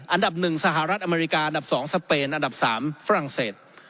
อันดับ๑สหรัฐอเมริกาอันดับ๒สเปนอันดับ๓ฝรั่งเศส